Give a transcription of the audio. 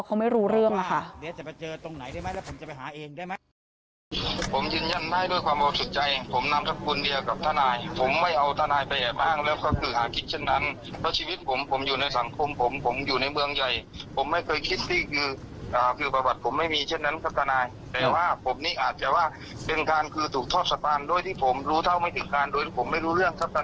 เขาบอกว่าเขาไม่รู้เรื่องล่ะค่ะ